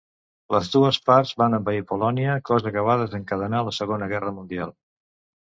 Les dues parts van envair Polònia, cosa que va desencadenar la Segona Guerra Mundial.